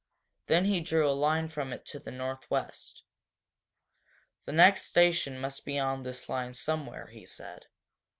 Then he drew a line from it to the northwest. "The next station must be on this line somewhere," he said.